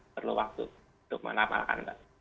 perlu waktu untuk melakukan